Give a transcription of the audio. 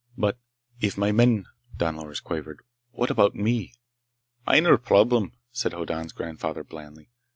"But ... if my men—" Don Loris quavered. "What about me?" "Minor problem," said Hoddan's grandfather blandly.